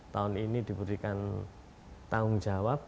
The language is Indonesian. tahun ini diberikan tanggung jawab